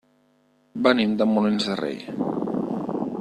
Venim de Molins de Rei.